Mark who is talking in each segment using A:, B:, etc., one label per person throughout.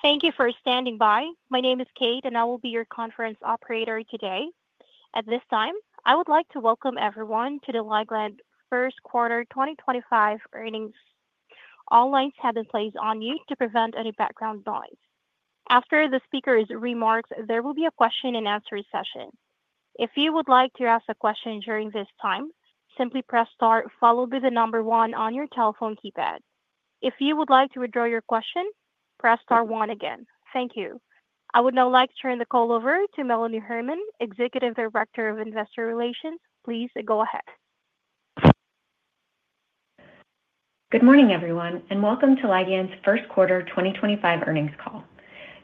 A: Thank you for standing by. My name is Kate, and I will be your conference operator today. At this time, I would like to welcome everyone to the Ligand Pharmaceuticals First Quarter 2025 Earnings. All lines have been placed on mute to prevent any background noise. After the speaker's remarks, there will be a question-and-answer session. If you would like to ask a question during this time, simply press star, followed by the number one on your telephone keypad. If you would like to withdraw your question, press star one again. Thank you. I would now like to turn the call over to Melanie Herman, Executive Director of Investor Relations. Please go ahead.
B: Good morning, everyone, and welcome to Ligand's First Quarter 2025 earnings call.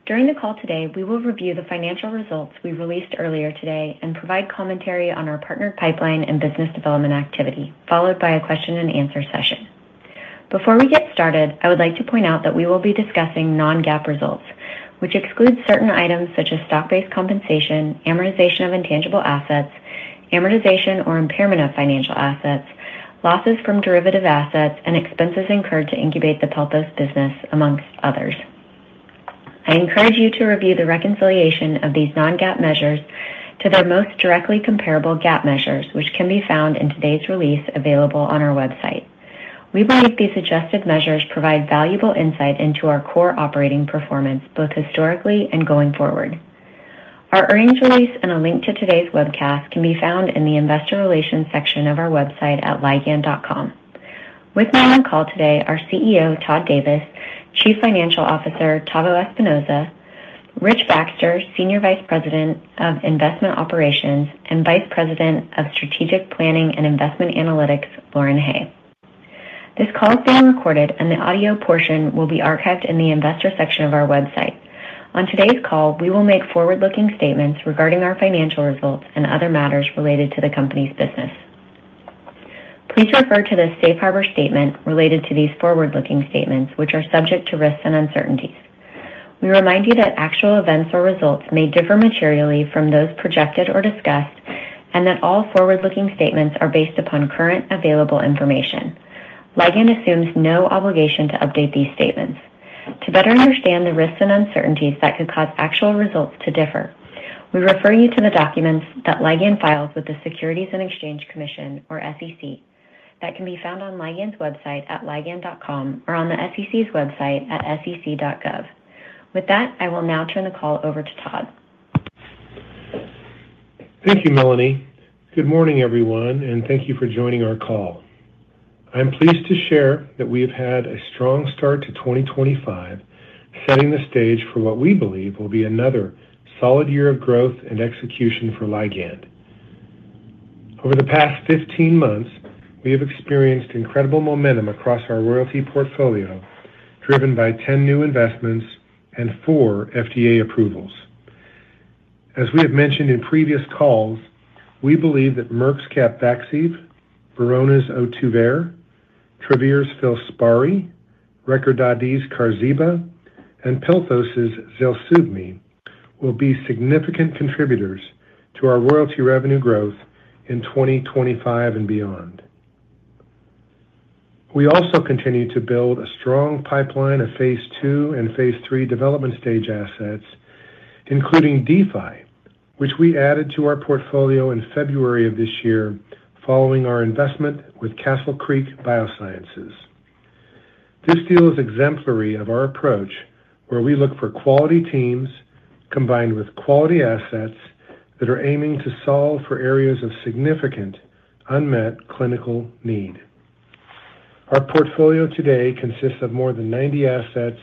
B: During the call today, we will review the financial results we released earlier today and provide commentary on our partner pipeline and business development activity, followed by a question-and-answer session. Before we get started, I would like to point out that we will be discussing non-GAAP results, which exclude certain items such as stock-based compensation, amortization of intangible assets, amortization or impairment of financial assets, losses from derivative assets, and expenses incurred to incubate the Pelpos business, amongst others. I encourage you to review the reconciliation of these non-GAAP measures to their most directly comparable GAAP measures, which can be found in today's release available on our website. We believe these adjusted measures provide valuable insight into our core operating performance, both historically and going forward. Our earnings release and a link to today's webcast can be found in the Investor Relations section of our website at ligand.com. With me on the call today are CEO Todd Davis, Chief Financial Officer Tavo Espinoza, Rich Baxter, Senior Vice President of Investment Operations, and Vice President of Strategic Planning and Investment Analytics, Lauren Hay. This call is being recorded, and the audio portion will be archived in the Investor section of our website. On today's call, we will make forward-looking statements regarding our financial results and other matters related to the company's business. Please refer to the Safe Harbor Statement related to these forward-looking statements, which are subject to risks and uncertainties. We remind you that actual events or results may differ materially from those projected or discussed, and that all forward-looking statements are based upon current available information. Ligand assumes no obligation to update these statements. To better understand the risks and uncertainties that could cause actual results to differ, we refer you to the documents that Ligand files with the Securities and Exchange Commission, or SEC, that can be found on Ligand's website at ligand.com or on the SEC's website at sec.gov. With that, I will now turn the call over to Todd.
C: Thank you, Melanie. Good morning, everyone, and thank you for joining our call. I'm pleased to share that we have had a strong start to 2025, setting the stage for what we believe will be another solid year of growth and execution for Ligand. Over the past 15 months, we have experienced incredible momentum across our royalty portfolio, driven by 10 new investments and four FDA approvals. As we have mentioned in previous calls, we believe that Merck's CAPVAXIVE, Verona's Ohtuvayre, Travere's FILSPARI, Recordati's Qarziba, and Pelpos's ZELSUVMI will be significant contributors to our royalty revenue growth in 2025 and beyond. We also continue to build a strong pipeline of phase II and phase III development stage assets, including DeFi, which we added to our portfolio in February of this year following our investment with Castle Creek Biosciences. This deal is exemplary of our approach, where we look for quality teams combined with quality assets that are aiming to solve for areas of significant unmet clinical need. Our portfolio today consists of more than 90 assets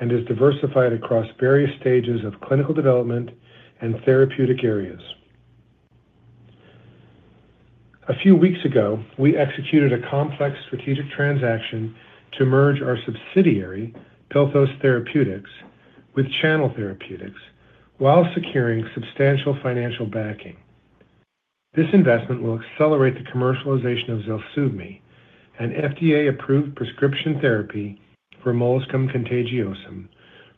C: and is diversified across various stages of clinical development and therapeutic areas. A few weeks ago, we executed a complex strategic transaction to merge our subsidiary, Pelpos Therapeutics, with Channel Therapeutics while securing substantial financial backing. This investment will accelerate the commercialization of ZELSUVMI, an FDA-approved prescription therapy for molluscum contagiosum,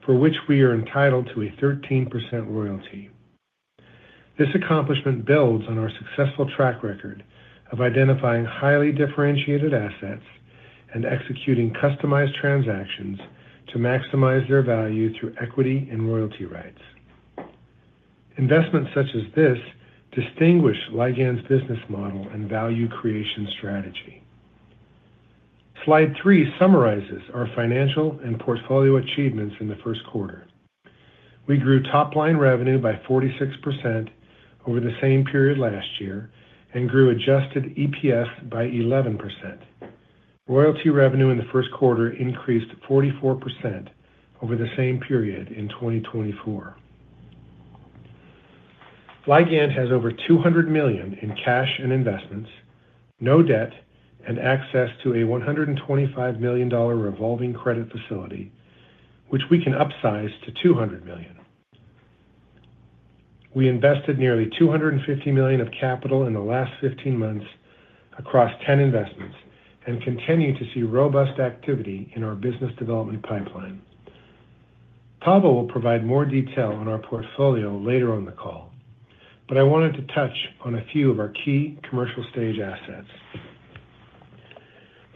C: for which we are entitled to a 13% royalty. This accomplishment builds on our successful track record of identifying highly differentiated assets and executing customized transactions to maximize their value through equity and royalty rights. Investments such as this distinguish Ligand's business model and value creation strategy. Slide 3 summarizes our financial and portfolio achievements in the first quarter. We grew top-line revenue by 46% over the same period last year and grew adjusted EPS by 11%. Royalty revenue in the first quarter increased 44% over the same period in 2024. Ligand has over 200 million in cash and investments, no debt, and access to a $125 million revolving credit facility, which we can upsize to $200 million. We invested nearly $250 million of capital in the last 15 months across 10 investments and continue to see robust activity in our business development pipeline. Tavo will provide more detail on our portfolio later on the call, but I wanted to touch on a few of our key commercial stage assets.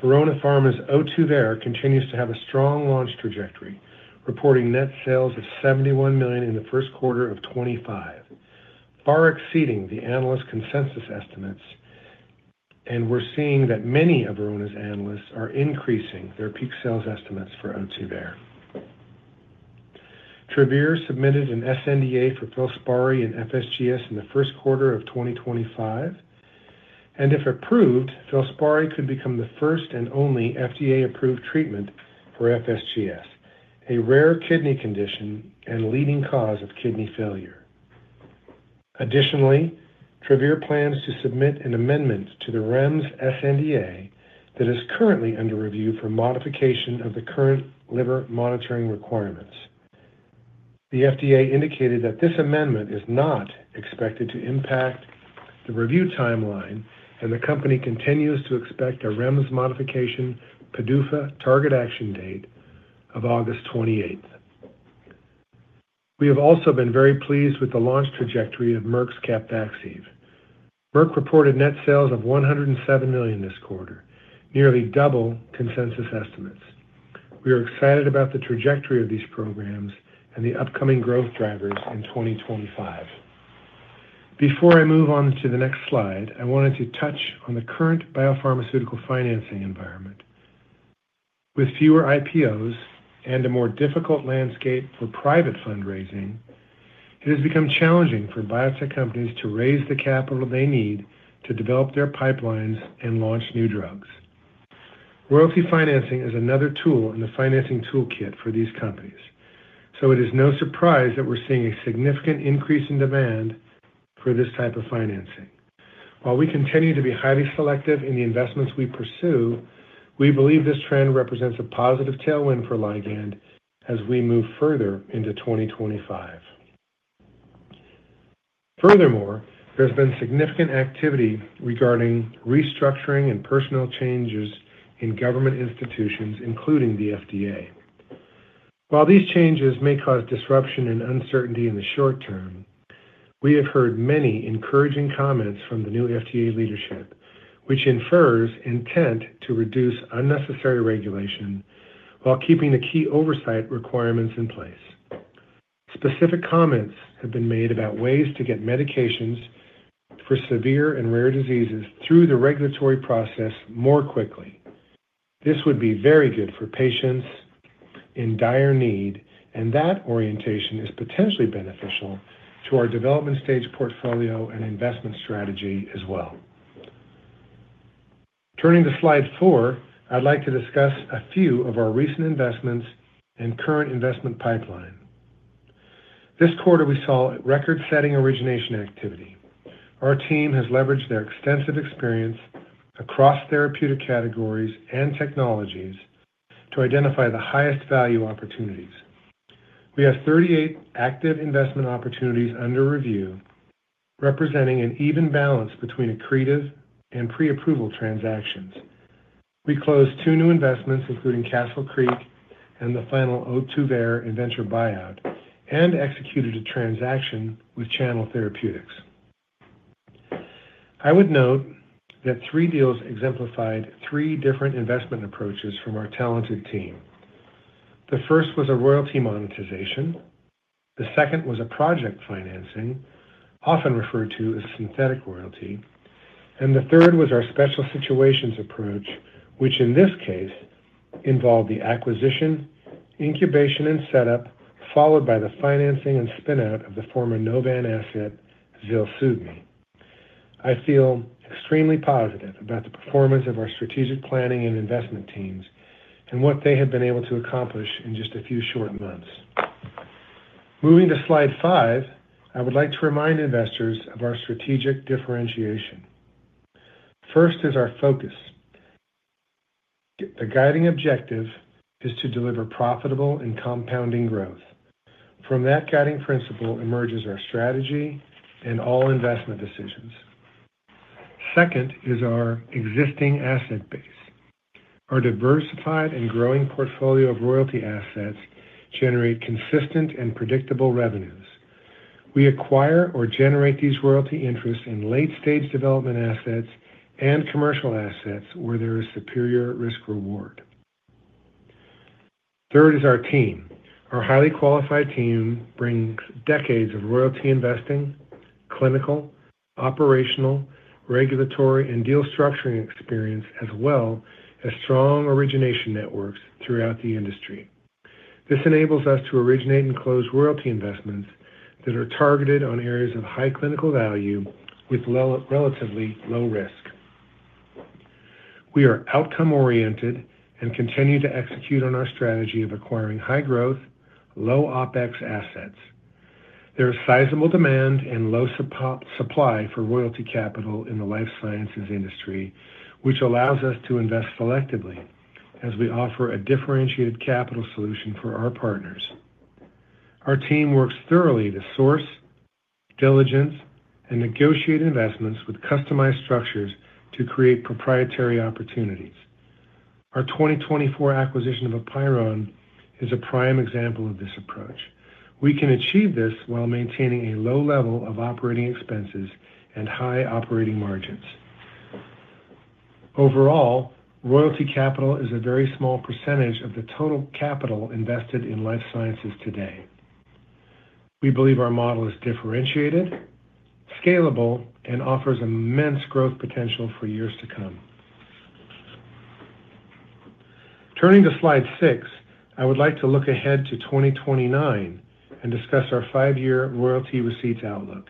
C: Verona Pharma's Ohtuvayre continues to have a strong launch trajectory, reporting net sales of $71 million in the first quarter of 2025, far exceeding the analysts' consensus estimates, and we're seeing that many of Verona's analysts are increasing their peak sales estimates for Ohtuvayre. Travere submitted an sNDA for FILSPARI and FSGS in the first quarter of 2025, and if approved, FILSPARI could become the first and only FDA-approved treatment for FSGS, a rare kidney condition and leading cause of kidney failure. Additionally, Travere plans to submit an amendment to the REMS sNDA that is currently under review for modification of the current liver monitoring requirements. The FDA indicated that this amendment is not expected to impact the review timeline, and the company continues to expect a REMS modification PDUFA target action date of August 28th. We have also been very pleased with the launch trajectory of Merck's CAPVAXIVE. Merck reported net sales of $107 million this quarter, nearly double consensus estimates. We are excited about the trajectory of these programs and the upcoming growth drivers in 2025. Before I move on to the next slide, I wanted to touch on the current biopharmaceutical financing environment. With fewer IPOs and a more difficult landscape for private fundraising, it has become challenging for biotech companies to raise the capital they need to develop their pipelines and launch new drugs. Royalty financing is another tool in the financing toolkit for these companies, so it is no surprise that we're seeing a significant increase in demand for this type of financing. While we continue to be highly selective in the investments we pursue, we believe this trend represents a positive tailwind for Ligand as we move further into 2025. Furthermore, there has been significant activity regarding restructuring and personnel changes in government institutions, including the FDA. While these changes may cause disruption and uncertainty in the short term, we have heard many encouraging comments from the new FDA leadership, which infers intent to reduce unnecessary regulation while keeping the key oversight requirements in place. Specific comments have been made about ways to get medications for severe and rare diseases through the regulatory process more quickly. This would be very good for patients in dire need, and that orientation is potentially beneficial to our development stage portfolio and investment strategy as well. Turning to slide 4, I'd like to discuss a few of our recent investments and current investment pipeline. This quarter, we saw record-setting origination activity. Our team has leveraged their extensive experience across therapeutic categories and technologies to identify the highest value opportunities. We have 38 active investment opportunities under review, representing an even balance between accretive and pre-approval transactions. We closed two new investments, including Castle Creek and the final Ohtuvayre inventor buyout, and executed a transaction with Channel Therapeutics. I would note that three deals exemplified three different investment approaches from our talented team. The first was a royalty monetization. The second was a project financing, often referred to as synthetic royalty. The third was our special situations approach, which in this case involved the acquisition, incubation, and setup, followed by the financing and spinout of the former Novan asset, ZELSUVMI. I feel extremely positive about the performance of our strategic planning and investment teams and what they have been able to accomplish in just a few short months. Moving to slide 5, I would like to remind investors of our strategic differentiation. First is our focus. The guiding objective is to deliver profitable and compounding growth. From that guiding principle emerges our strategy and all investment decisions. Second is our existing asset base. Our diversified and growing portfolio of royalty assets generates consistent and predictable revenues. We acquire or generate these royalty interests in late-stage development assets and commercial assets where there is superior risk-reward. Third is our team. Our highly qualified team brings decades of royalty investing, clinical, operational, regulatory, and deal structuring experience, as well as strong origination networks throughout the industry. This enables us to originate and close royalty investments that are targeted on areas of high clinical value with relatively low risk. We are outcome-oriented and continue to execute on our strategy of acquiring high-growth, low-OpEx assets. There is sizable demand and low supply for royalty capital in the life sciences industry, which allows us to invest selectively as we offer a differentiated capital solution for our partners. Our team works thoroughly to source, diligence, and negotiate investments with customized structures to create proprietary opportunities. Our 2024 acquisition of Apeiron is a prime example of this approach. We can achieve this while maintaining a low level of operating expenses and high operating margins. Overall, royalty capital is a very small percentage of the total capital invested in life sciences today. We believe our model is differentiated, scalable, and offers immense growth potential for years to come. Turning to slide 6, I would like to look ahead to 2029 and discuss our five-year royalty receipts outlook.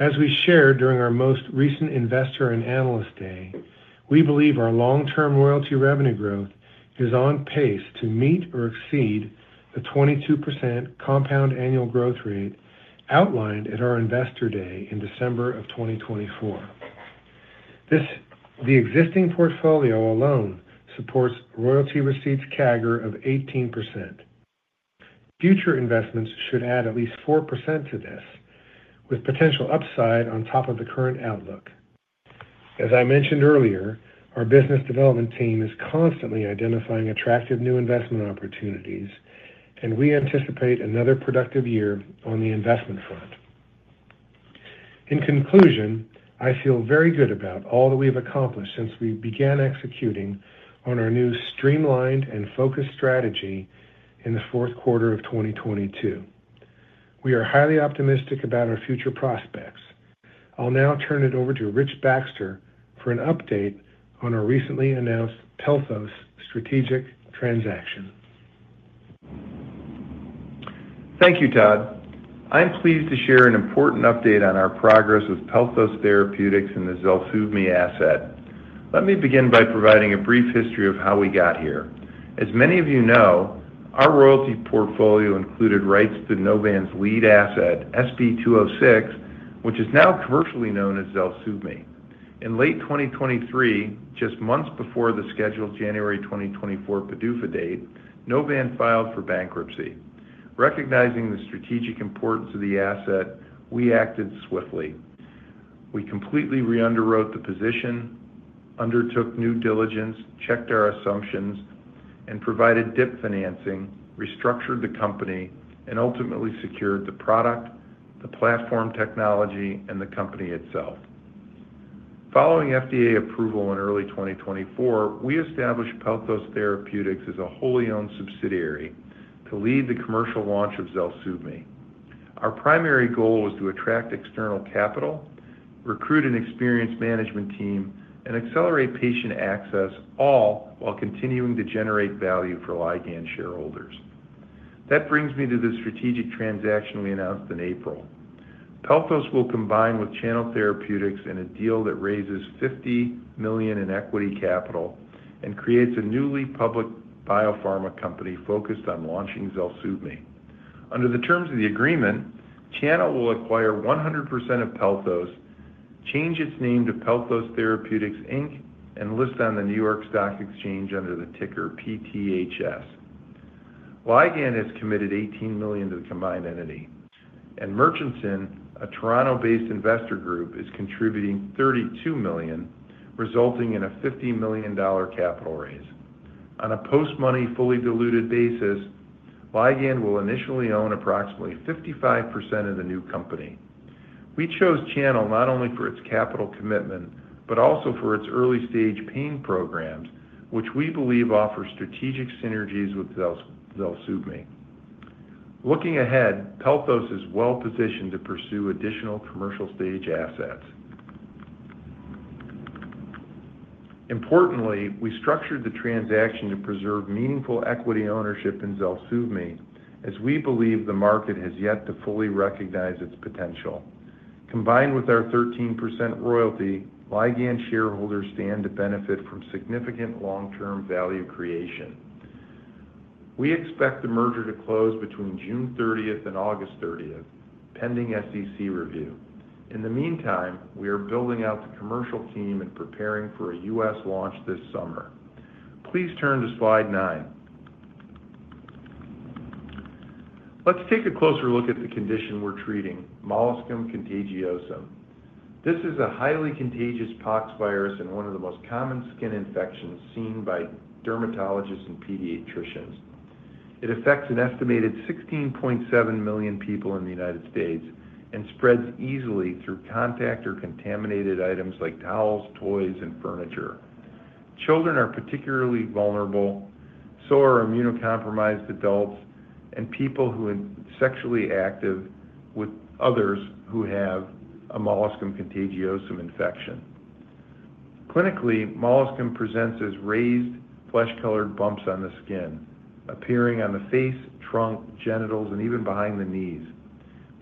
C: As we shared during our most recent investor and analyst day, we believe our long-term royalty revenue growth is on pace to meet or exceed the 22% compound annual growth rate outlined at our investor day in December of 2024. The existing portfolio alone supports royalty receipts CAGR of 18%. Future investments should add at least 4% to this, with potential upside on top of the current outlook. As I mentioned earlier, our business development team is constantly identifying attractive new investment opportunities, and we anticipate another productive year on the investment front. In conclusion, I feel very good about all that we have accomplished since we began executing on our new streamlined and focused strategy in the fourth quarter of 2022. We are highly optimistic about our future prospects. I'll now turn it over to Rich Baxter for an update on our recently announced Pelpos strategic transaction.
D: Thank you, Todd. I'm pleased to share an important update on our progress with Pelpos Therapeutics and the ZELSUVMI asset. Let me begin by providing a brief history of how we got here. As many of you know, our royalty portfolio included rights to Novan's lead asset, SB206, which is now commercially known as ZELSUVMI. In late 2023, just months before the scheduled January 2024 PDUFA date, Novan filed for bankruptcy. Recognizing the strategic importance of the asset, we acted swiftly. We completely re-underwrote the position, undertook new diligence, checked our assumptions, and provided DIP financing, restructured the company, and ultimately secured the product, the platform technology, and the company itself. Following FDA approval in early 2024, we established Pelpos Therapeutics as a wholly owned subsidiary to lead the commercial launch of ZELSUVMI. Our primary goal was to attract external capital, recruit an experienced management team, and accelerate patient access, all while continuing to generate value for Ligand shareholders. That brings me to the strategic transaction we announced in April. Pelpos will combine with Channel Therapeutics in a deal that raises $50 million in equity capital and creates a newly public biopharma company focused on launching ZELSUVMI. Under the terms of the agreement, Channel will acquire 100% of Pelpos, change its name to Pelpos Therapeutics, and list on the New York Stock Exchange under the ticker PTHS. Ligand has committed $18 million to the combined entity, and Merchants Inc., a Toronto-based investor group, is contributing $32 million, resulting in a $50 million capital raise. On a post-money fully diluted basis, Ligand will initially own approximately 55% of the new company. We chose Channel not only for its capital commitment but also for its early-stage pain programs, which we believe offer strategic synergies with ZELSUVMI. Looking ahead, Pelpos is well-positioned to pursue additional commercial stage assets. Importantly, we structured the transaction to preserve meaningful equity ownership in ZELSUVMI, as we believe the market has yet to fully recognize its potential. Combined with our 13% royalty, Ligand shareholders stand to benefit from significant long-term value creation. We expect the merger to close between June 30 and August 30, pending SEC review. In the meantime, we are building out the commercial team and preparing for a U.S. launch this summer. Please turn to slide 9. Let's take a closer look at the condition we're treating, molluscum contagiosum. This is a highly contagious pox virus and one of the most common skin infections seen by dermatologists and pediatricians. It affects an estimated 16.7 million people in the United States and spreads easily through contact or contaminated items like towels, toys, and furniture. Children are particularly vulnerable, so are immunocompromised adults and people who are sexually active with others who have a molluscum contagiosum infection. Clinically, molluscum presents as raised, flesh-colored bumps on the skin, appearing on the face, trunk, genitals, and even behind the knees.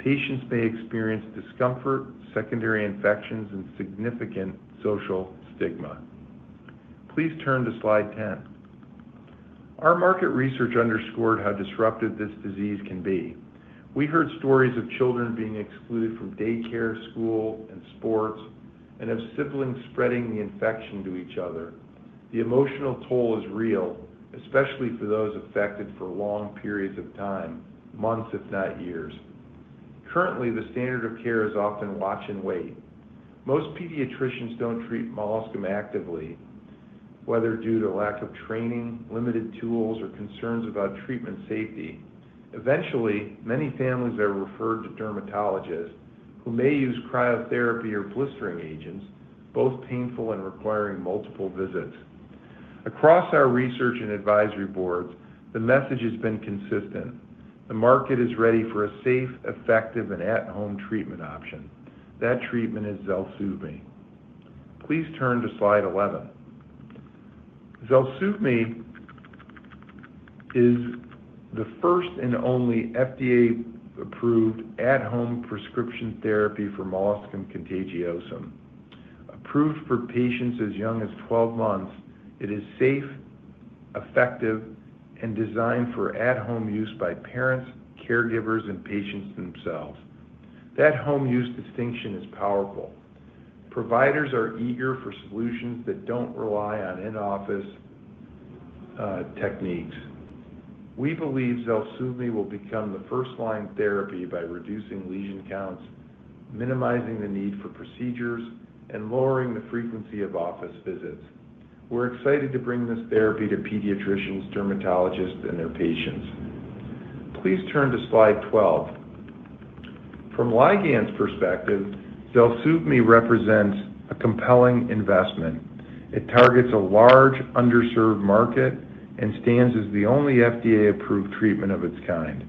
D: Patients may experience discomfort, secondary infections, and significant social stigma. Please turn to slide 10. Our market research underscored how disruptive this disease can be. We heard stories of children being excluded from daycare, school, and sports, and of siblings spreading the infection to each other. The emotional toll is real, especially for those affected for long periods of time, months if not years. Currently, the standard of care is often watch and wait. Most pediatricians don't treat molluscum actively, whether due to lack of training, limited tools, or concerns about treatment safety. Eventually, many families are referred to dermatologists who may use cryotherapy or blistering agents, both painful and requiring multiple visits. Across our research and advisory boards, the message has been consistent. The market is ready for a safe, effective, and at-home treatment option. That treatment is ZELSUVMI. Please turn to slide 11. ZELSUVMI is the first and only FDA-approved at-home prescription therapy for molluscum contagiosum. Approved for patients as young as 12 months, it is safe, effective, and designed for at-home use by parents, caregivers, and patients themselves. That home use distinction is powerful. Providers are eager for solutions that don't rely on in-office techniques. We believe ZELSUVMI will become the first-line therapy by reducing lesion counts, minimizing the need for procedures, and lowering the frequency of office visits. We're excited to bring this therapy to pediatricians, dermatologists, and their patients. Please turn to slide 12. From Ligand's perspective, ZELSUVMI represents a compelling investment. It targets a large, underserved market and stands as the only FDA-approved treatment of its kind.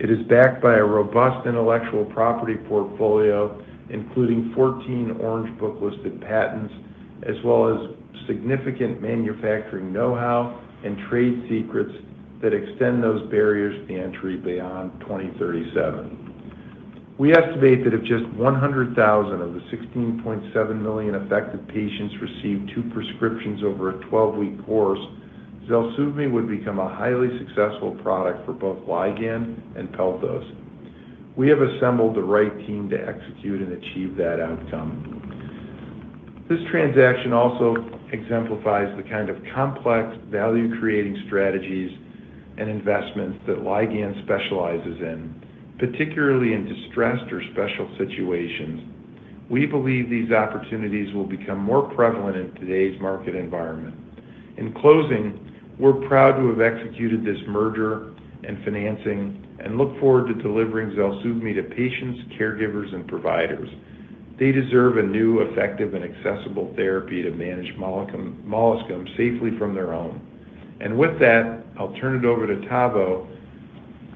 D: It is backed by a robust intellectual property portfolio, including 14 Orange Book-listed patents, as well as significant manufacturing know-how and trade secrets that extend those barriers to entry beyond 2037. We estimate that if just 100,000 of the 16.7 million affected patients receive two prescriptions over a 12-week course, ZELSUVMI would become a highly successful product for both Ligand and Pelpos. We have assembled the right team to execute and achieve that outcome. This transaction also exemplifies the kind of complex value-creating strategies and investments that Ligand specializes in, particularly in distressed or special situations. We believe these opportunities will become more prQarzibalent in today's market environment. In closing, we're proud to have executed this merger and financing and look forward to delivering ZELSUVMI to patients, caregivers, and providers. They deserve a new, effective, and accessible therapy to manage molluscum safely from their own. With that, I'll turn it over to Tavo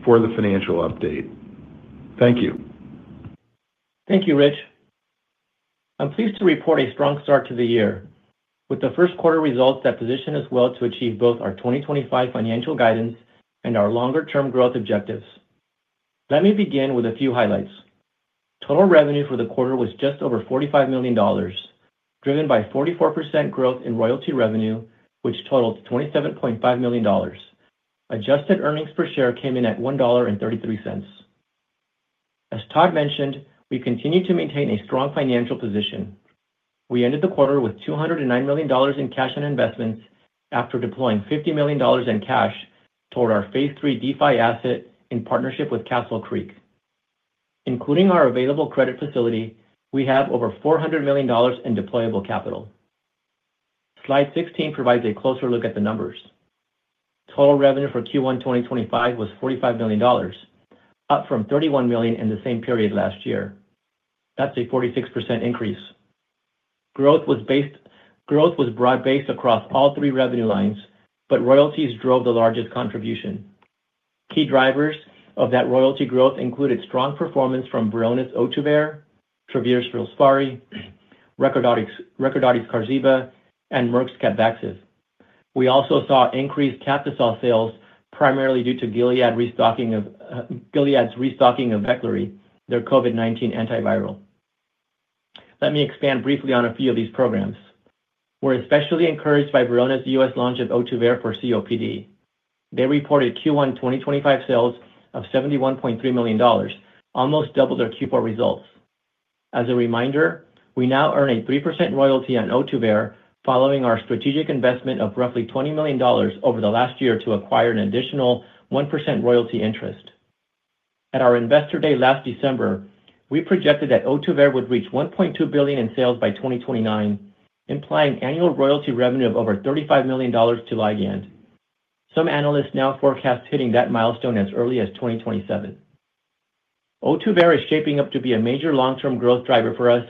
D: for the financial update. Thank you.
E: Thank you, Rich. I'm pleased to report a strong start to the year. With the first-quarter results, that positions us well to achieve both our 2025 financial guidance and our longer-term growth objectives. Let me begin with a few highlights. Total revenue for the quarter was just over $45 million, driven by 44% growth in royalty revenue, which totaled $27.5 million. Adjusted earnings per share came in at $1.33. As Todd mentioned, we continue to maintain a strong financial position. We ended the quarter with $209 million in cash and investments after deploying $50 million in cash toward our phase 3 DeFi asset in partnership with Castle Creek. Including our available credit facility, we have over $400 million in deployable capital. Slide 16 provides a closer look at the numbers. Total revenue for Q1 2025 was $45 million, up from $31 million in the same period last year. That's a 46% increase. Growth was broad-based across all three revenue lines, but royalties drove the largest contribution. Key drivers of that royalty growth included strong performance from Verona's Ohtuvayre, Travere's FILSPARI, Recordati's Qarziba, and Merck's CAPVAXIVE. We also saw increased Captisol sales primarily due to Gilead's restocking of Veklury, their COVID-19 antiviral. Let me expand briefly on a few of these programs. We're especially encouraged by Verona's U.S. launch of Ohtuvayre for COPD. They reported Q1 2025 sales of $71.3 million, almost double their Q4 results. As a reminder, we now earn a 3% royalty on Ohtuvayre following our strategic investment of roughly $20 million over the last year to acquire an additional 1% royalty interest. At our investor day last December, we projected that Ohtuvayre would reach $1.2 billion in sales by 2029, implying annual royalty revenue of over $35 million to Ligand. Some analysts now forecast hitting that milestone as early as 2027. Ohtuvayre is shaping up to be a major long-term growth driver for us,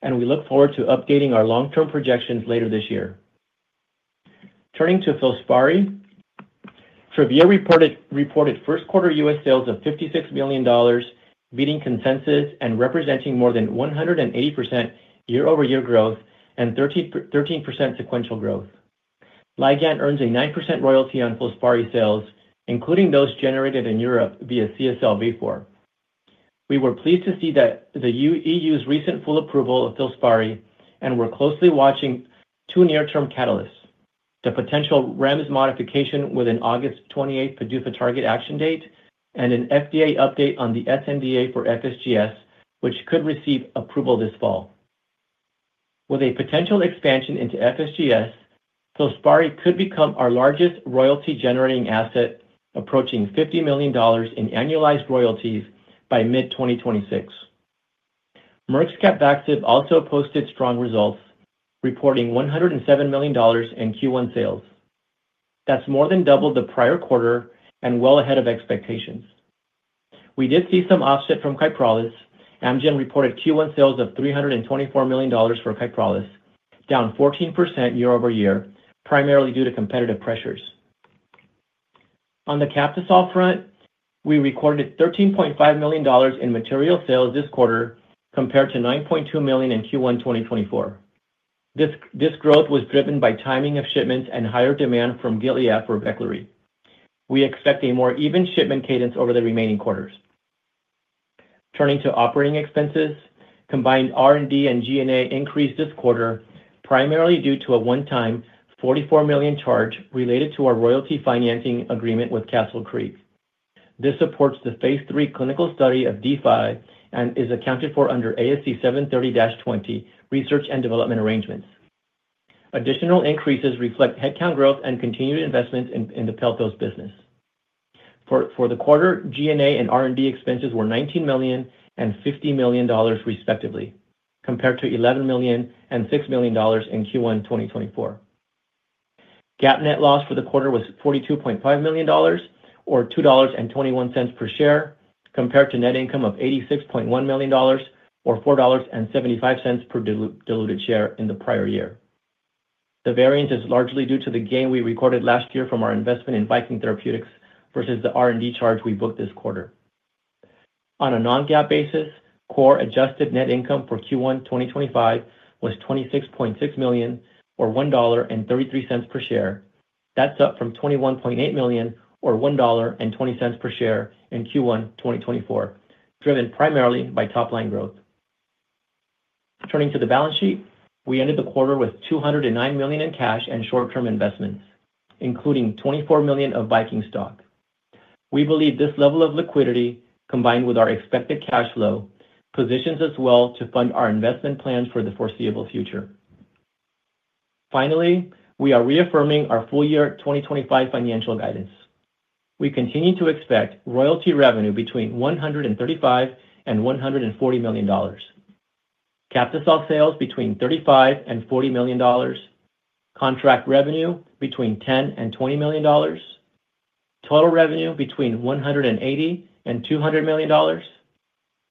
E: and we look forward to updating our long-term projections later this year. Turning to FILSPARI, Travere reported first-quarter U.S. sales of $56 million, beating consensus and representing more than 180% year-over-year growth and 13% sequential growth. Ligand earns a 9% royalty on FILSPARI sales, including those generated in Europe via CSL Vifor. We were pleased to see that the EU's recent full approval of FILSPARI, and we're closely watching two near-term catalysts: the potential REMS modification with an August 28 PDUFA target action date and an FDA update on the sNDA for FSGS, which could receive approval this fall. With a potential expansion into FSGS, FILSPARI could become our largest royalty-generating asset, approaching $50 million in annualized royalties by mid-2026. Merck's CAPVAXIVE also posted strong results, reporting $107 million in Q1 sales. That's more than double the prior quarter and well ahead of expectations. We did see some offset from Kyprolis. Amgen reported Q1 sales of $324 million for Kyprolis, down 14% year-over-year, primarily due to competitive pressures. On the Captisol front, we recorded $13.5 million in material sales this quarter, compared to $9.2 million in Q1 2024. This growth was driven by timing of shipments and higher demand from Gilead for Veklury. We expect a more even shipment cadence over the remaining quarters. Turning to operating expenses, combined R&D and G&A increased this quarter, primarily due to a one-time $44 million charge related to our royalty financing agreement with Castle Creek. This supports the phase 3 clinical study of DeFi and is accounted for under ASC 730-20 research and development arrangements. Additional increases reflect headcount growth and continued investments in the Pelpos business. For the quarter, G&A and R&D expenses were $19 million and $50 million, respectively, compared to $11 million and $6 million in Q1 2024. GAAP net loss for the quarter was $42.5 million, or $2.21 per share, compared to net income of $86.1 million, or $4.75 per diluted share in the prior year. The variance is largely due to the gain we recorded last year from our investment in Viking Therapeutics versus the R&D charge we booked this quarter. On a non-GAAP basis, core adjusted net income for Q1 2025 was $26.6 million, or $1.33 per share. That's up from $21.8 million, or $1.20 per share in Q1 2024, driven primarily by top-line growth. Turning to the balance sheet, we ended the quarter with $209 million in cash and short-term investments, including $24 million of Viking stock. We believe this level of liquidity, combined with our expected cash flow, positions us well to fund our investment plans for the foreseeable future. Finally, we are reaffirming our full-year 2025 financial guidance. We continue to expect royalty revenue between $135 million and $140 million, Captisol sales between $35 million and $40 million, contract revenue between $10 million and $20 million, total revenue between $180 million and $200 million,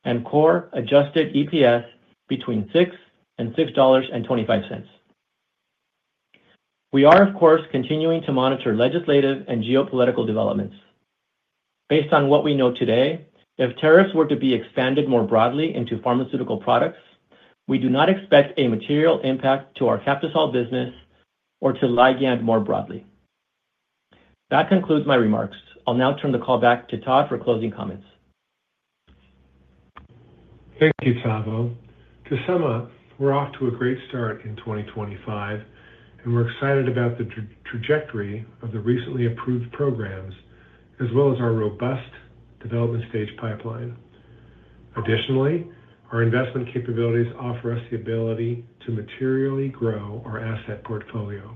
E: and core adjusted EPS between $6 and $6.25. We are, of course, continuing to monitor legislative and geopolitical developments. Based on what we know today, if tariffs were to be expanded more broadly into pharmaceutical products, we do not expect a material impact to our Captisol business or to Ligand more broadly. That concludes my remarks. I'll now turn the call back to Todd for closing comments.
C: Thank you, Tavo. To sum up, we're off to a great start in 2025, and we're excited about the trajectory of the recently approved programs, as well as our robust development stage pipeline. Additionally, our investment capabilities offer us the ability to materially grow our asset portfolio.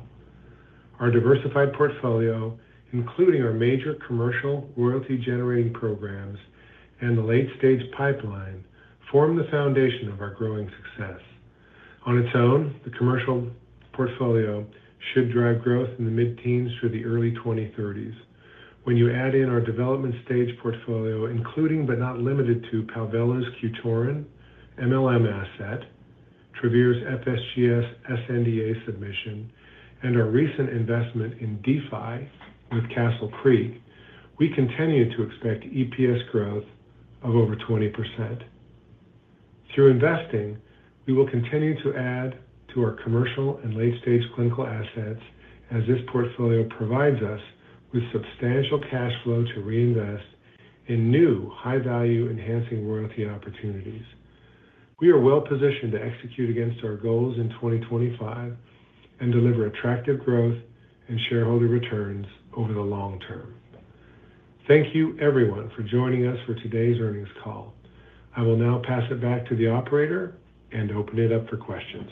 C: Our diversified portfolio, including our major commercial royalty-generating programs and the late-stage pipeline, forms the foundation of our growing success. On its own, the commercial portfolio should drive growth in the mid-teens through the early 2030s. When you add in our development stage portfolio, including but not limited to Pavel's Qutorin MLM asset, Travere's FSGS sNDA submission, and our recent investment in DeFi with Castle Creek, we continue to expect EPS growth of over 20%. Through investing, we will continue to add to our commercial and late-stage clinical assets, as this portfolio provides us with substantial cash flow to reinvest in new high-value enhancing royalty opportunities. We are well-positioned to execute against our goals in 2025 and deliver attractive growth and shareholder returns over the long term. Thank you, everyone, for joining us for today's earnings call. I will now pass it back to the operator and open it up for questions.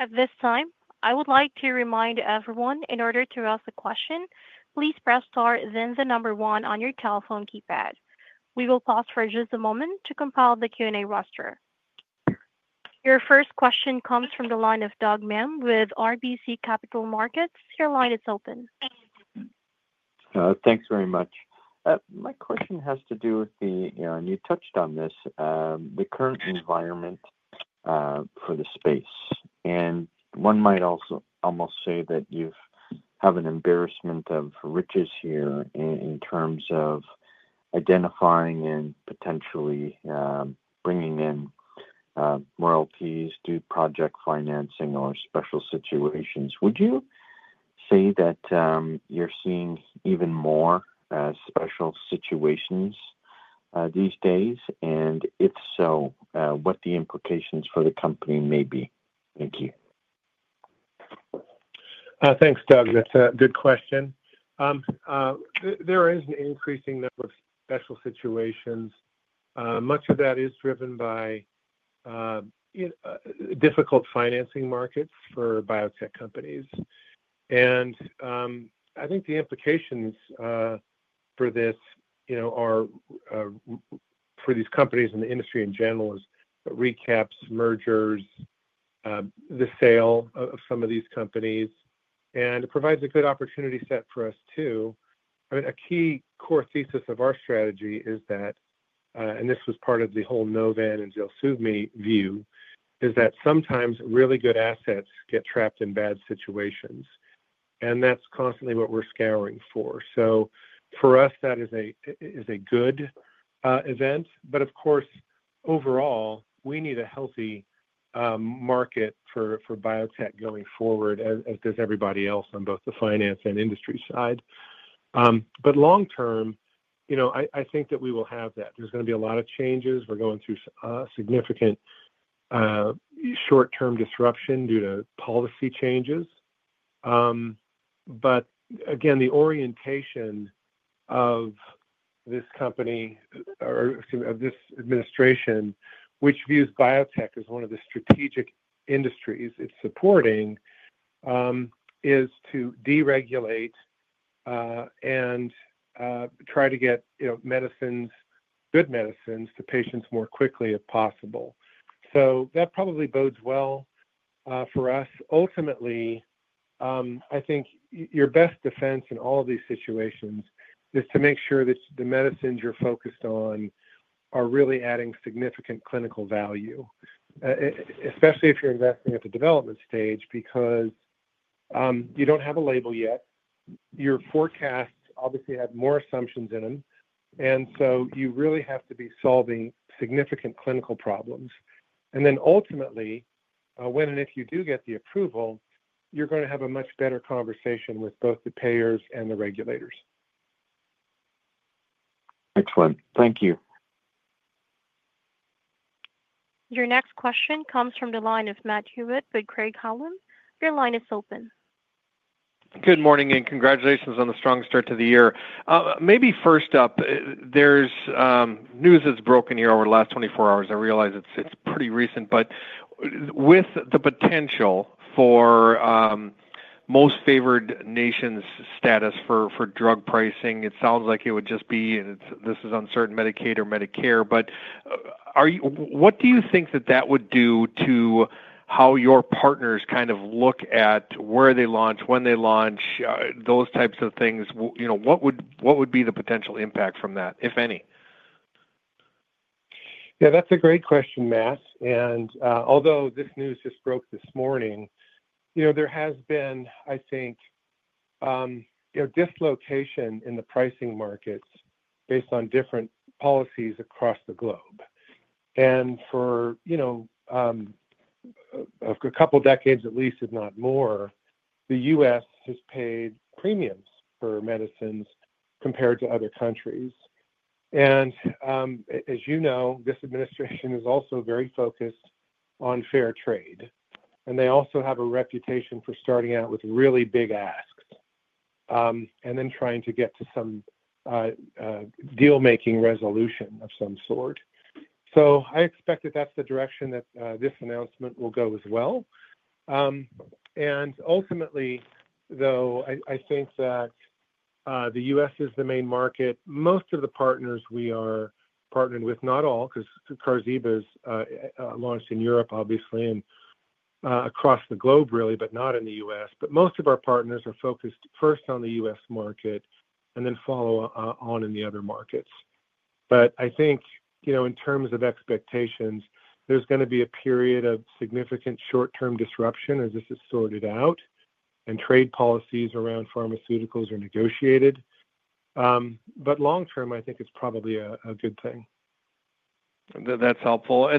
A: At this time, I would like to remind everyone, in order to ask a question, please press star, then the number one on your telephone keypad. We will pause for just a moment to compile the Q&A roster. Your first question comes from the line of Doug Miehm with RBC Capital Markets. Your line is open.
F: Thanks very much. My question has to do with the—and you touched on this—the current environment for the space. One might also almost say that you have an embarrassment of riches here in terms of identifying and potentially bringing in royalties due to project financing or special situations. Would you say that you're seeing even more special situations these days? If so, what the implications for the company may be? Thank you.
C: Thanks, Doug. That's a good question. There is an increasing number of special situations. Much of that is driven by difficult financing markets for biotech companies. I think the implications for these companies and the industry in general are recaps, mergers, the sale of some of these companies. It provides a good opportunity set for us too. I mean, a key core thesis of our strategy is that—and this was part of the whole Novan and ZELSUVMI view—is that sometimes really good assets get trapped in bad situations. That's constantly what we're scouring for. For us, that is a good event. Of course, overall, we need a healthy market for biotech going forward, as does everybody else on both the finance and industry side. Long term, I think that we will have that. There's going to be a lot of changes. We're going through significant short-term disruption due to policy changes. Again, the orientation of this company—excuse me—of this administration, which views biotech as one of the strategic industries it's supporting, is to deregulate and try to get good medicines to patients more quickly if possible. That probably bodes well for us. Ultimately, I think your best defense in all of these situations is to make sure that the medicines you're focused on are really adding significant clinical value, especially if you're investing at the development stage, because you don't have a label yet. Your forecasts obviously have more assumptions in them. You really have to be solving significant clinical problems. Ultimately, when and if you do get the approval, you're going to have a much better conversation with both the payers and the regulators.
F: Excellent. Thank you.
A: Your next question comes from the line of Matt Hewitt with Craig-Hallum. Your line is open.
G: Good morning and congratulations on the strong start to the year. Maybe first up, there's news that's broken here over the last 24 hours. I realize it's pretty recent. With the potential for most favored nations status for drug pricing, it sounds like it would just be—and this is uncertain—Medicaid or Medicare. What do you think that that would do to how your partners kind of look at where they launch, when they launch, those types of things? What would be the potential impact from that, if any?
C: Yeah, that's a great question, Matt. Although this news just broke this morning, there has been, I think, dislocation in the pricing markets based on different policies across the globe. For a couple of decades, at least, if not more, the U.S. has paid premiums for medicines compared to other countries. As you know, this administration is also very focused on fair trade. They also have a reputation for starting out with really big asks and then trying to get to some deal-making resolution of some sort. I expect that is the direction that this announcement will go as well. Ultimately, though, I think that the U.S. is the main market. Most of the partners we are partnered with—not all, because Qarziba's launched in Europe, obviously, and across the globe, really, but not in the U.S.—but most of our partners are focused first on the U.S. market and then follow on in the other markets. I think in terms of expectations, there's going to be a period of significant short-term disruption as this is sorted out and trade policies around pharmaceuticals are negotiated. Long term, I think it's probably a good thing.
G: That's helpful.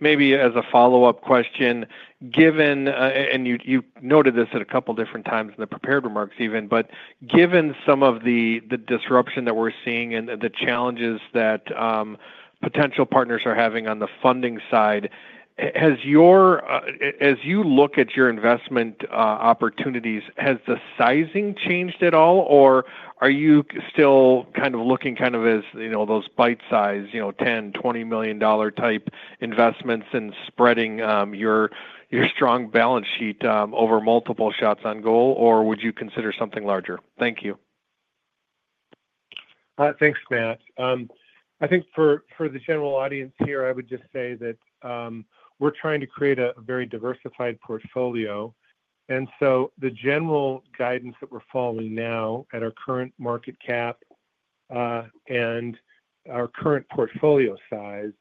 G: Maybe as a follow-up question, given—and you noted this at a couple of different times in the prepared remarks even—but given some of the disruption that we're seeing and the challenges that potential partners are having on the funding side, as you look at your investment opportunities, has the sizing changed at all? Are you still kind of looking at those bite-sized, $10 million-$20 million type investments and spreading your strong balance sheet over multiple shots on goal? Would you consider something larger? Thank you.
C: Thanks, Matt. I think for the general audience here, I would just say that we're trying to create a very diversified portfolio. The general guidance that we're following now at our current market cap and our current portfolio size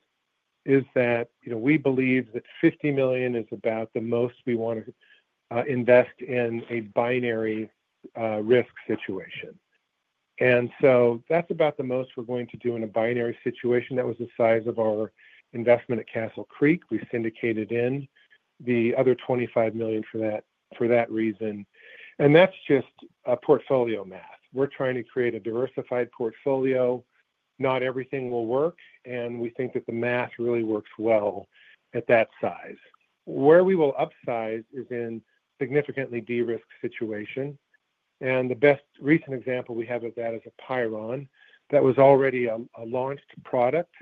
C: is that we believe that $50 million is about the most we want to invest in a binary risk situation. That's about the most we're going to do in a binary situation. That was the size of our investment at Castle Creek. We syndicated in the other $25 million for that reason. That's just portfolio math. We're trying to create a diversified portfolio. Not everything will work. We think that the math really works well at that size. Where we will upsize is in significantly de-risked situations. The best recent example we have of that is Apeiron that was already a launched product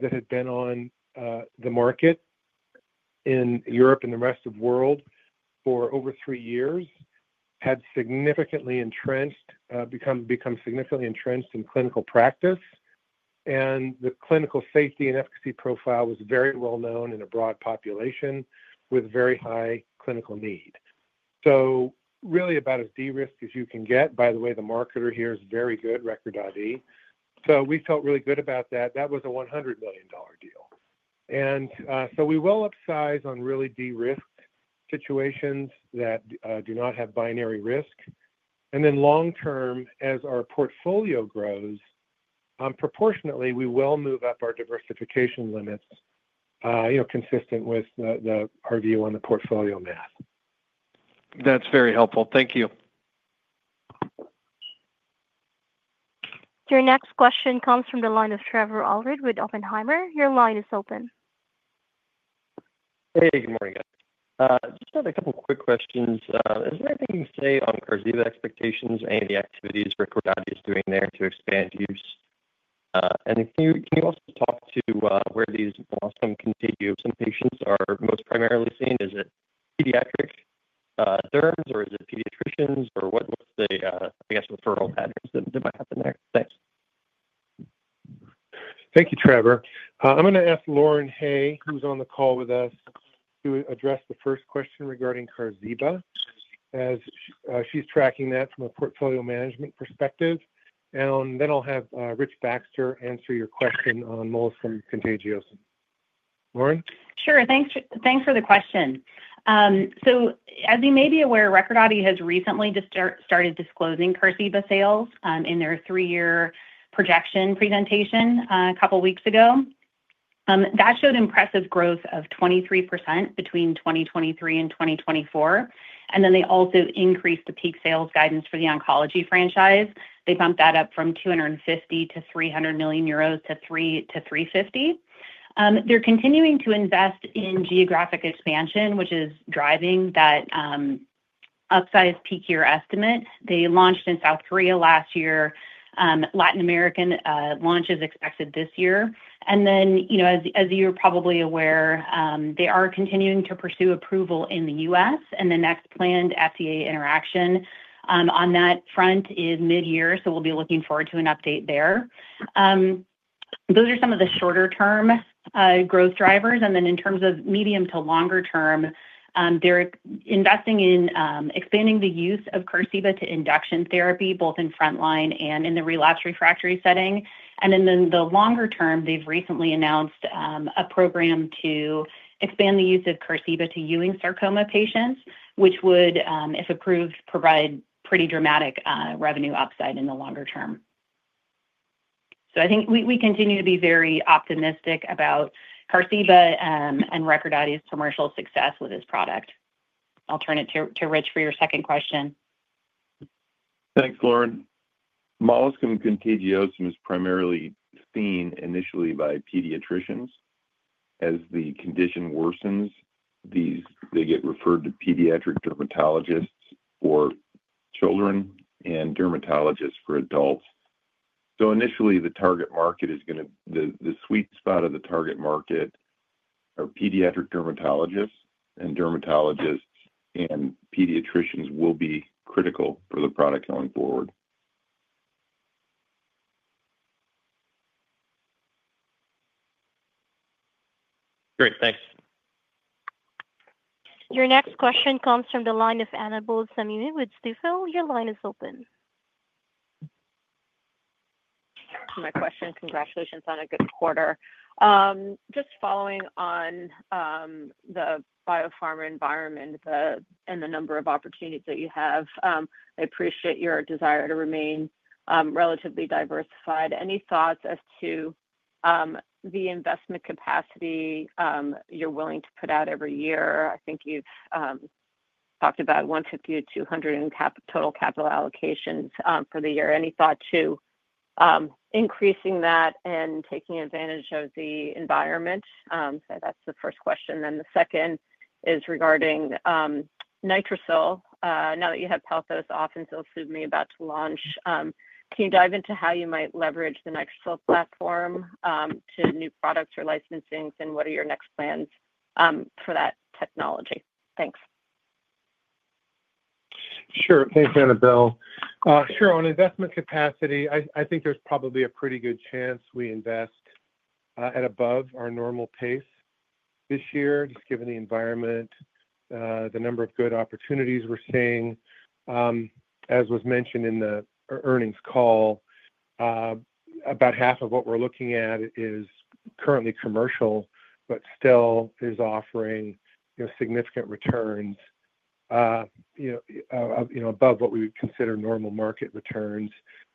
C: that had been on the market in Europe and the rest of the world for over three years, had significantly entrenched, become significantly entrenched in clinical practice. The clinical safety and efficacy profile was very well known in a broad population with very high clinical need. Really about as de-risked as you can get. By the way, the marketer here is very good, Recordati. We felt really good about that. That was a $100 million deal. We will upsize on really de-risked situations that do not have binary risk. Long term, as our portfolio grows, proportionately, we will move up our diversification limits consistent with our view on the portfolio math.
G: That's very helpful. Thank you.
A: Your next question comes from the line of Trevor Allred with Oppenheimer. Your line is open.
H: Hey, good morning, guys. Just had a couple of quick questions. Is there anything you can say on Qarziba expectations and the activities Recordati is doing there to expand use? And can you also talk to where these can be? Some patients are most primarily seen. Is it pediatric derms, or is it pediatricians, or what's the, I guess, referral patterns that might happen there? Thanks.
C: Thank you, Trevor. I'm going to ask Lauren Hay, who's on the call with us, to address the first question regarding Qarziba, as she's tracking that from a portfolio management perspective. I will have Rich Baxter answer your question on molluscum contagiosum. Lauren?
I: Sure. Thanks for the question. As you may be aware, Recordati has recently just started disclosing Qarziba sales in their three-year projection presentation a couple of weeks ago. That showed impressive growth of 23% between 2023 and 2024. They also increased the peak sales guidance for the oncology franchise. They bumped that up from 250 million-300 million euros to 350 million. They are continuing to invest in geographic expansion, which is driving that upsized peak year estimate. They launched in South Korea last year. Latin American launch is expected this year. As you are probably aware, they are continuing to pursue approval in the U.S. The next planned FDA interaction on that front is mid-year. We will be looking forward to an update there. Those are some of the shorter-term growth drivers. In terms of medium to longer term, they're investing in expanding the use of Qarziba to induction therapy, both in frontline and in the relapse refractory setting. In the longer term, they've recently announced a program to expand the use of Qarziba to Ewing sarcoma patients, which would, if approved, provide pretty dramatic revenue upside in the longer term. I think we continue to be very optimistic about Qarziba and Recordati's commercial success with this product. I'll turn it to Rich for your second question.
D: Thanks, Lauren. Molluscum contagiosum is primarily seen initially by pediatricians. As the condition worsens, they get referred to pediatric dermatologists for children and dermatologists for adults. Initially, the target market is going to be the sweet spot of the target market are pediatric dermatologists, and dermatologists and pediatricians will be critical for the product going forward.
H: Great. Thanks.
A: Your next question comes from the line of Annabel Samimy with Stifel. Your line is open.
J: My question. Congratulations on a good quarter. Just following on the biopharma environment and the number of opportunities that you have, I appreciate your desire to remain relatively diversified. Any thoughts as to the investment capacity you're willing to put out every year? I think you've talked about $150 million to $200 million in total capital allocations for the year. Any thought to increasing that and taking advantage of the environment? That's the first question. The second is regarding nitrocil. Now that you have Pelpos off and ZELSUVMI about to launch, can you dive into how you might leverage the Nitrocil platform to new products or licensings, and what are your next plans for that technology? Thanks.
C: Sure. Thanks, Annabelle. Sure. On investment capacity, I think there's probably a pretty good chance we invest at above our normal pace this year, just given the environment, the number of good opportunities we're seeing. As was mentioned in the earnings call, about half of what we're looking at is currently commercial, but still is offering significant returns above what we would consider normal market returns.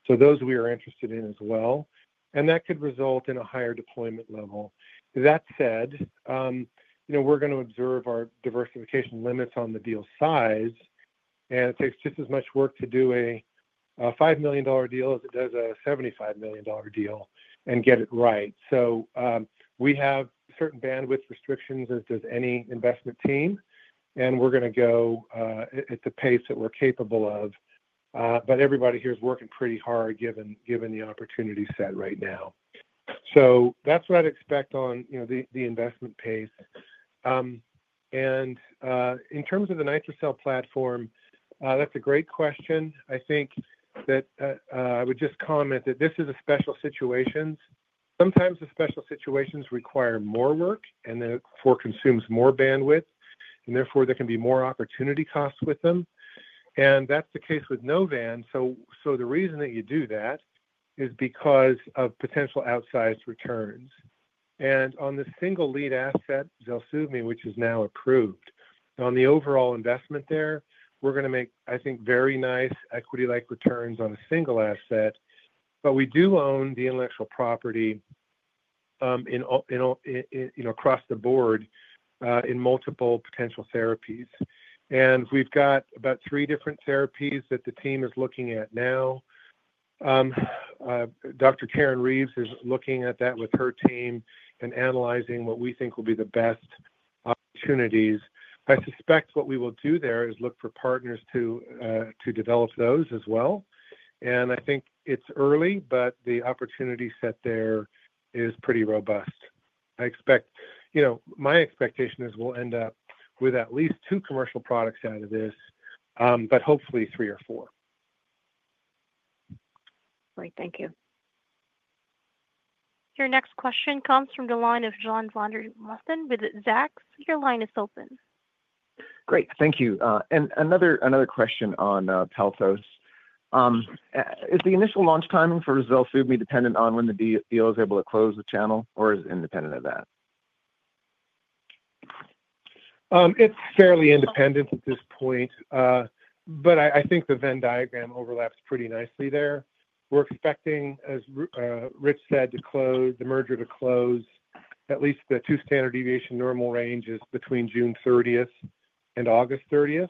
C: Those we are interested in as well. That could result in a higher deployment level. That said, we're going to observe our diversification limits on the deal size. It takes just as much work to do a $5 million deal as it does a $75 million deal and get it right. We have certain bandwidth restrictions as does any investment team. We are going to go at the pace that we are capable of. Everybody here is working pretty hard given the opportunity set right now. That is what I would expect on the investment pace. In terms of the nitrocil platform, that is a great question. I think that I would just comment that this is a special situation. Sometimes the special situations require more work, and therefore consume more bandwidth. Therefore, there can be more opportunity costs with them. That is the case with Novan. The reason that you do that is because of potential outsized returns. On the single lead asset, ZELSUVMI, which is now approved, on the overall investment there, we're going to make, I think, very nice equity-like returns on a single asset. We do own the intellectual property across the board in multiple potential therapies. We've got about three different therapies that the team is looking at now. Dr. Karen Reeves is looking at that with her team and analyzing what we think will be the best opportunities. I suspect what we will do there is look for partners to develop those as well. I think it's early, but the opportunity set there is pretty robust. My expectation is we'll end up with at least two commercial products out of this, but hopefully three or four.
J: Great. Thank you.
A: Your next question comes from the line of John Vandermosten with Zacks. Your line is open.
K: Great. Thank you. Another question on Pelpos. Is the initial launch timing for ZELSUVMI dependent on when the deal is able to close with Channel, or is it independent of that?
C: It's fairly independent at this point. I think the Venn diagram overlaps pretty nicely there. We're expecting, as Rich said, the merger to close at least the two standard deviation normal ranges between June 30th and August 30th.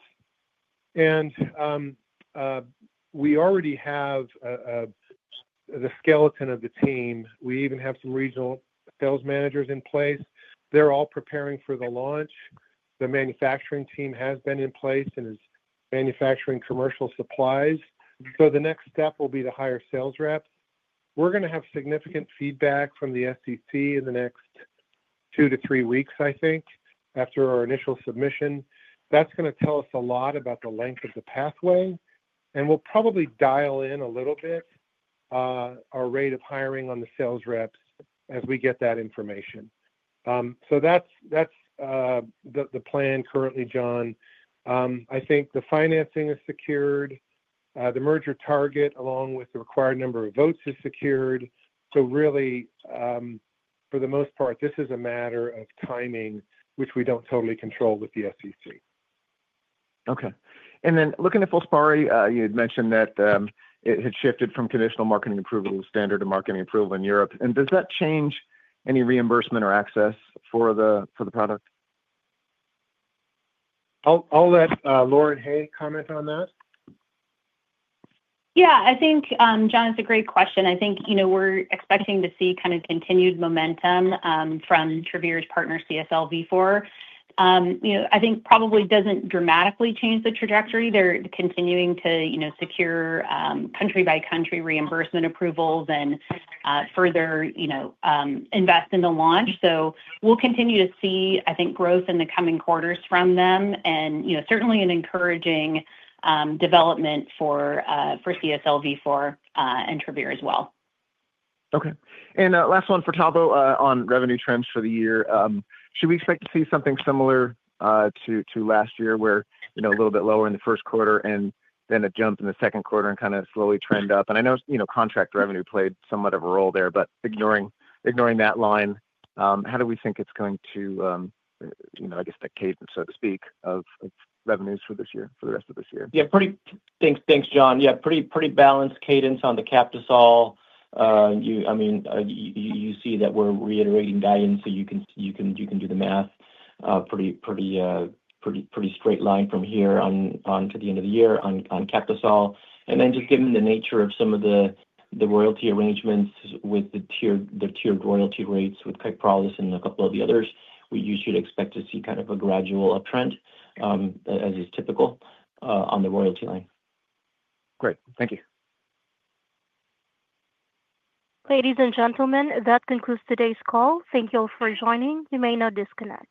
C: We already have the skeleton of the team. We even have some regional sales managers in place. They're all preparing for the launch. The manufacturing team has been in place and is manufacturing commercial supplies. The next step will be to hire sales reps. We're going to have significant feedback from the SEC in the next two to three weeks, I think, after our initial submission. That's going to tell us a lot about the length of the pathway. We'll probably dial in a little bit our rate of hiring on the sales reps as we get that information. That's the plan currently, John. I think the financing is secured. The merger target, along with the required number of votes, is secured. Really, for the most part, this is a matter of timing, which we do not totally control with the SEC.
K: Okay. Looking at FILSPARI, you had mentioned that it had shifted from conditional marketing approval to standard marketing approval in Europe. Does that change any reimbursement or access for the product?
C: I'll let Lauren Hay comment on that.
I: Yeah. I think, John, it's a great question. I think we're expecting to see kind of continued momentum from Travere's partner, CSL Vifor. I think it probably does not dramatically change the trajectory. They're continuing to secure country-by-country reimbursement approvals and further invest in the launch. We will continue to see, I think, growth in the coming quarters from them. Certainly an encouraging development for CSL Vifor and Travere as well.
K: Okay. Last one for Tavo on revenue trends for the year. Should we expect to see something similar to last year where a little bit lower in the first quarter and then a jump in the second quarter and kind of slowly trend up? I know contract revenue played somewhat of a role there, but ignoring that line, how do we think it is going to, I guess, the cadence, so to speak, of revenues for this year, for the rest of this year?
E: Yeah. Thanks, John. Yeah. Pretty balanced cadence on the Captisol. I mean, you see that we are reiterating guidance, so you can do the math pretty straight line from here on to the end of the year on Captisol. Then just given the nature of some of the royalty arrangements with the tiered royalty rates with Kyprolis and a couple of the others, we usually expect to see kind of a gradual uptrend, as is typical on the royalty line.
K: Great. Thank you.
A: Ladies and gentlemen, that concludes today's call. Thank you all for joining. You may now disconnect.